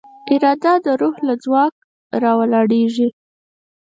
اراده د روح له ځواک راولاړېږي.